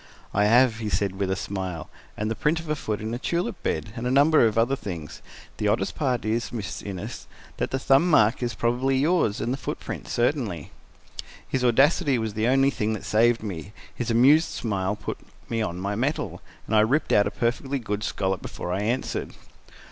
"I have," he said with a smile, "and the print of a foot in a tulip bed, and a number of other things. The oddest part is, Miss Innes, that the thumb mark is probably yours and the footprint certainly." His audacity was the only thing that saved me: his amused smile put me on my mettle, and I ripped out a perfectly good scallop before I answered.